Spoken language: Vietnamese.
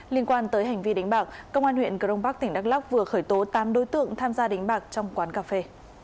liên quan tới hành vi đánh bạc công an huyện cờ rông bắc tỉnh đắk lóc vừa khởi tố tám đối tượng tham gia đánh bạc trong quán cà phê